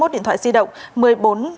hai mươi một điện thoại di động